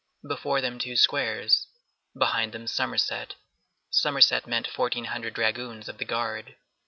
Before them two squares, behind them Somerset; Somerset meant fourteen hundred dragoons of the guard.